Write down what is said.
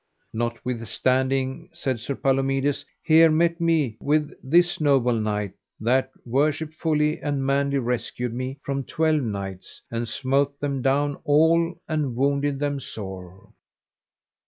Notwithstanding, said Sir Palomides, here met we with this noble knight that worshipfully and manly rescued me from twelve knights, and smote them down all and wounded them sore.